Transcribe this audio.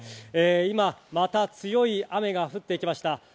今また強い雨が降ってきました。